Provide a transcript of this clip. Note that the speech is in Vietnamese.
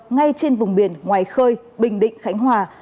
ngay trên vùng biển ngoài khơi bình định khánh hòa